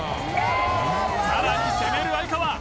さらに攻める哀川